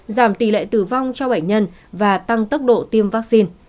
giảm tỷ lệ tử vong cho bệnh nhân và tăng tốc độ tiêm vaccine